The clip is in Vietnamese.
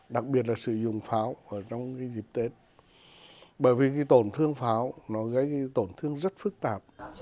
đặc biệt là sử dụng pháo trong dịp tết bởi vì cái tổn thương pháo nó gây tổn thương rất phức tạp